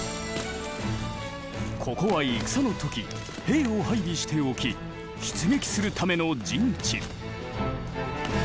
ここは戦の時兵を配備しておき出撃するための陣地。